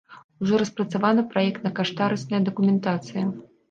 Ужо распрацавана праектна-каштарысная дакументацыя.